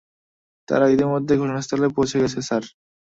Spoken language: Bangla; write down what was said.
তারা ইতোমধ্যে ঘটনাস্থলে পৌঁছে গেছে, স্যার।